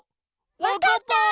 わかった！